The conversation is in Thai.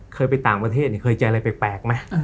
เคยไปต่างประเทศเนี่ยเคยเจออะไรแปลกไหม